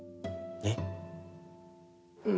えっ？